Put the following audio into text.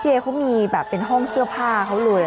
เอเขามีแบบเป็นห้องเสื้อผ้าเขาเลย